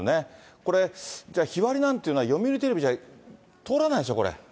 これ、じゃあ、日割りなんていうのは、読売テレビじゃ通らないでしょ、これ。